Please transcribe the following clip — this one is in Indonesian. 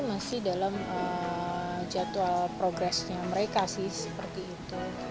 masih dalam jadwal progresnya mereka sih seperti itu